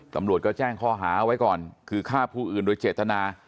ตำรวจก็แจ้งข้อหาเอาไว้ก่อนคือฆ่าผู้อื่นโดยเจตนา